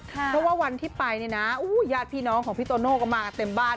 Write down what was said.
เพราะว่าวันที่ไปเนี่ยนะญาติพี่น้องของพี่โตโน่ก็มากันเต็มบ้าน